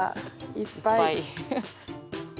いっぱい。